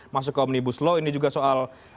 masuk ke omnibus law ini juga soal